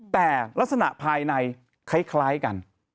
แต่ลักษณะภายในคล้ายกัน